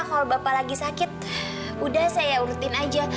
kalau bapak lagi sakit udah saya urutin aja